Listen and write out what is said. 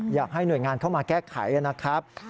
อยากให้หน่วยงานเข้ามาแก้ไขนะครับ